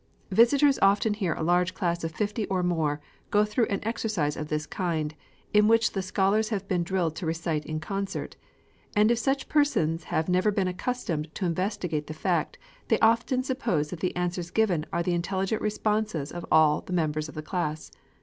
Visitors often hear a large class of fifty or more go through an exercise of this kind, in which the scholars have been drilled to recite in concert; and if such persons have never been accustomed to investigate the fact, they often suppose that the answers given are the intelligent responses of all the members of the class.